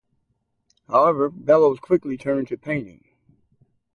However, Bellows quickly turned to painting.